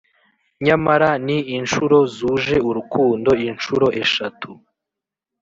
nyamara ni inshuro zuje urukundo inshuro eshatu